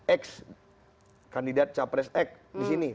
ex kandidat capres x disini tiga ratus